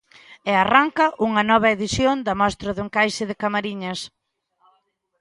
E arranca unha nova edición da Mostra do Encaixe de Camariñas.